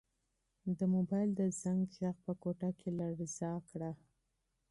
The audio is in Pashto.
د موبایل د زنګ غږ په کوټه کې لړزه کړه.